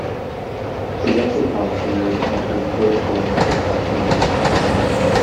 Progressive house emerged after the first wave of house music.